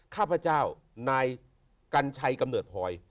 ข้าพเจ้านายกัญชัยกำเนิดพลอย